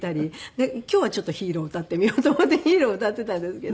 で今日はちょっと『ヒーロー』歌ってみようと思って『ヒーロー』歌っていたんですけど。